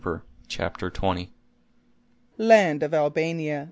CHAPTER XX. "Land of Albania!